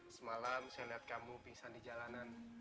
semalam saya lihat kamu pingsan di jalanan